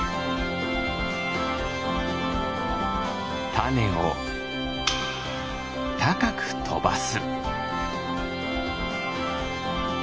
たねをたかくとばす。